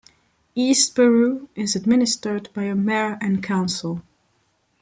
East Peru is administered by a mayor and council.